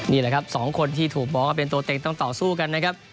นี่แหละครับสองคนที่ถูกบอกว่าเป็นตัวเต็งต้องต่อสู้กันนะครับ